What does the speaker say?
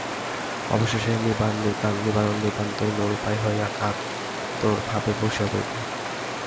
অবশেষে নিবারণ নিতান্তই নিরুপায় হইয়া কাতরভাবে বসিয়া পড়িত।